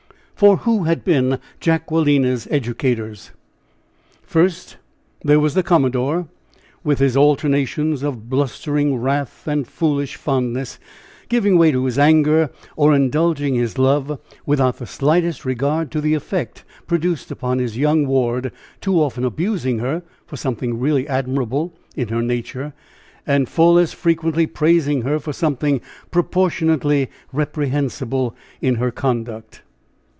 For who had been Jacquelina's educators? First, there was the commodore, with his alternations of blustering wrath and foolish fondness, giving way to his anger, or indulging his love, without the slightest regard to the effect produced upon his young ward too often abusing her for something really admirable in her nature and full as frequently praising her for something proportionately reprehensible in her conduct.